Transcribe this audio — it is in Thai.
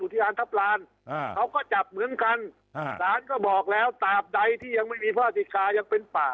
ที่อันทัพลานเขาก็จับเหมือนกันศาลก็บอกแล้วตามใดที่ยังไม่มีพราติกายังเป็นป่า